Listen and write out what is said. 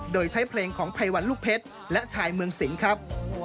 โดยใช้เพลงของภัยวันลูกเพชรและชายเมืองสิงครับ